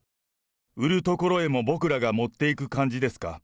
売る所へも僕らが持っていく感じですか？